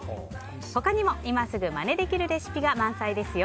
他にも今すぐまねできるレシピが満載ですよ。